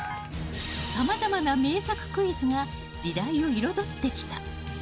さまざまな名作クイズが時代を彩ってきた。